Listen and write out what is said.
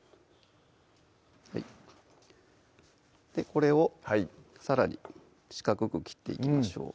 これをさらに四角く切っていきましょう